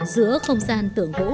giữa không gian tượng gỗ